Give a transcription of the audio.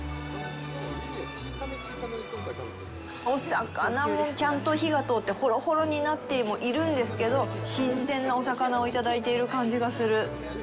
お魚もちゃんと火が通ってほろほろになっているんですけど新鮮なお魚をいただいてる感じがする。